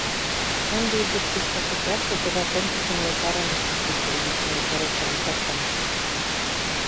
— Ынде ӱдыр тӱшка коклаште тыгай конкурсым эртарымышт ок сите, витне, пырыс-шамычат таҥасат?